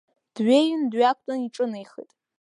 Дҩеин дҩақәтәан иҿынеихеит.